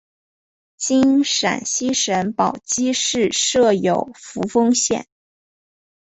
今陕西省宝鸡市设有扶风县。